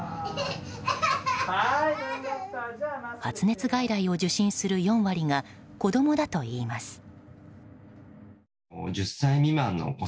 発熱外来を受診する４割が子供だといいます。